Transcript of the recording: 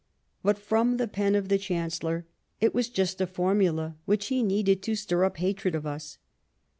But, from the pen of the Chancellor, it was just a formula, which he needed to stir up hatred of us.